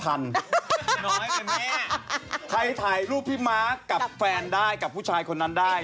ถ้าได้จับไว้ถ่ายรูปพี่ม้ากับเฟนได้กับผู้ชายคนนั้นได้